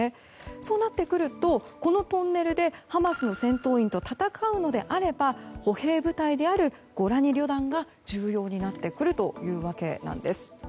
そうなってくるとこのトンネルでハマスの戦闘員と戦うのであれば歩兵部隊であるゴラニ旅団が重要になってくるというわけなんです。